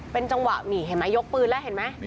เป็นจังหวะนี่เห็นไหมยกปืนแล้วเห็นไหม